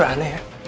lucu aneh ya